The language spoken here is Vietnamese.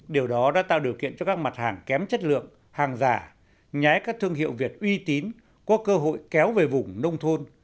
điều đó đã tạo điều kiện cho các mặt hàng kém chất lượng hàng giả nhái các thương hiệu việt uy tín có cơ hội kéo về vùng nông thôn